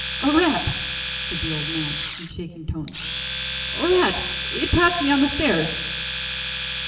"A rat," said the old man in shaking tones "a rat. It passed me on the stairs."